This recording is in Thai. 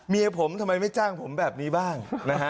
เมียผมทำไมไม่จ้างผมแบบนี้บ้างนะฮะ